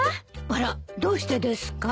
あらどうしてですか？